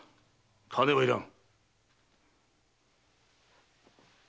金はいらん。